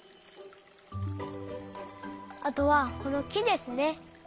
あとはこのきですね。